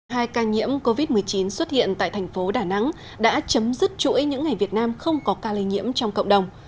hai ca nhiễm covid một mươi chín xuất hiện tại thành phố đà nẵng đã chấm dứt chuỗi những ngày việt nam không có ca lây nhiễm trong cộng đồng